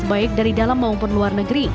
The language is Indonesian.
baik dari dalam maupun luar negeri